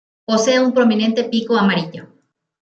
Posee un prominente pico amarillo.